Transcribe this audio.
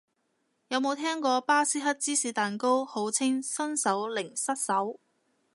有冇聽過巴斯克芝士蛋糕，號稱新手零失手